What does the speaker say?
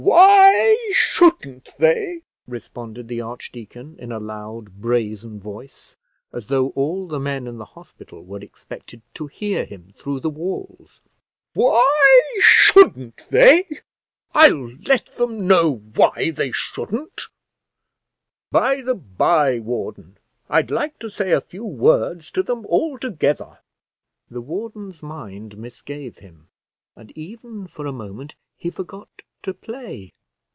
"Why shouldn't they!" responded the archdeacon, in a loud brazen voice, as though all the men in the hospital were expected to hear him through the walls; "why shouldn't they? I'll let them know why they shouldn't; by the bye, warden, I'd like to say a few words to them all together." The warden's mind misgave him, and even for a moment he forgot to play.